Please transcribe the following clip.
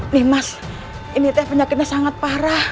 nimas penyakitnya sangat parah